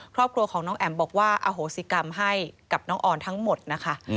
ครอบครัวของน้องแอ๋มบอกว่าอโหสิกรรมให้กับน้องออนทั้งหมดนะคะ